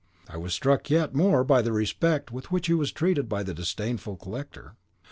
I was struck yet more by the respect with which he was treated by the disdainful collector.